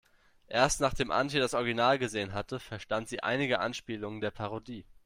Erst nachdem Antje das Original gesehen hatte, verstand sie einige Anspielungen der Parodie.